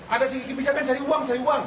ada si ibu jalan cari uang cari uang